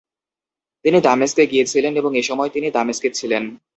তিনি দামেস্কে গিয়েছিলেন এবং এসময় তিনি দামেস্কে ছিলেন।